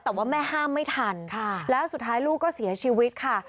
แต่ว่าแม่ห้ามไม่ทันแล้วสุดท้ายลูกก็เสียชีวิตค่ะ